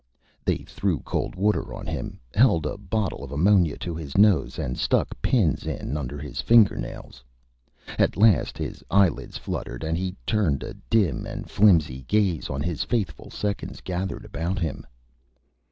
They threw Cold Water on him, held a Bottle of Ammonia to his Nose and stuck Pins in under his Finger Nails. At last his Eye Lids fluttered, and he turned a dim and filmy Gaze on his faithful Seconds gathered about him.